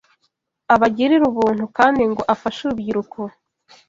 abagirire ubuntu kandi ngo afashe urubyiruko